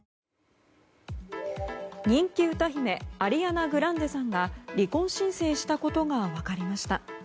人気歌姫アリアナ・グランデさんが離婚申請したことが分かりました。